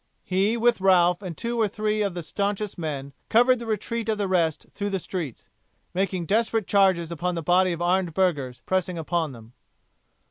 He, with Ralph and two or three of the staunchest men, covered the retreat of the rest through the streets, making desperate charges upon the body of armed burghers pressing upon them.